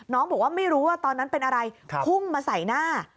บอกว่าไม่รู้ว่าตอนนั้นเป็นอะไรพุ่งมาใส่หน้า